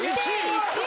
１位！